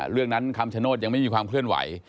เรื่องนั้นคำชโนธยังไม่มีความเคลื่อนไหว